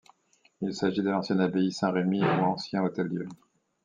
Il s'agit de l'ancienne abbaye Saint-Remi ou ancien Hôtel-Dieu.